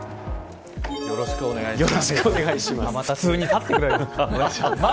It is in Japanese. よろしくお願いします。